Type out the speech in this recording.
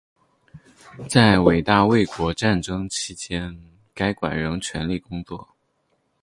在伟大卫国战争期间该馆仍全力工作。